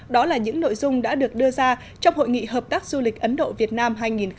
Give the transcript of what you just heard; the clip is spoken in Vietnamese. đó là những nội dung đã được đưa ra trong hội nghị hợp tác du lịch ấn độ việt nam hai nghìn một mươi tám